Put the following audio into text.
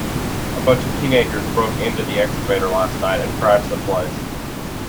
A bunch of teenagers broke into the excavator last night and trashed the place.